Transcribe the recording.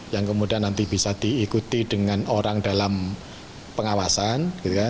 yang kemudian nanti bisa diikuti dengan orang dalam pengawasan